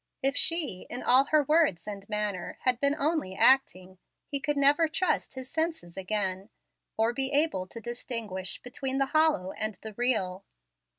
If she, in all her words and manner, had been only acting, he could never trust his senses again, or be able to distinguish between the hollow and the real.